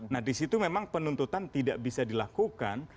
nah di situ memang penuntutan tidak bisa dilakukan